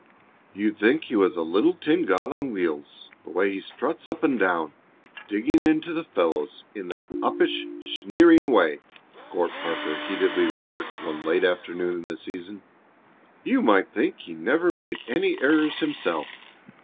"You'd think he was a little tin god on wheels the way he struts up and down, digging into the fellows in that uppish, sneering way," Court Parker heatedly remarked one afternoon late in the season. "You might think he never made any errors himself."